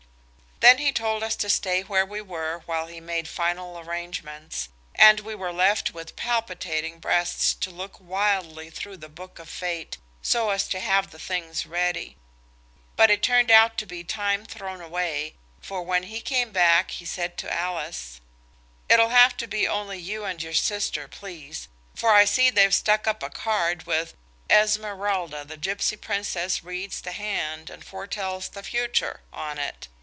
Then he told us to stay where we were while he made final arrangements, and we were left with palpitating breasts to look wildly through the Book of Fate, so as to have the things ready. But it turned out to be time thrown away, for when he came back he said to Alice– "It'll have to be only you and your sister, please, for I see they've stuck up a card with 'Esmeralda, the gipsy Princess, reads the hand and foretells the future' on it.